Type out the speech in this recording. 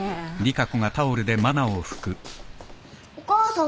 お母さん。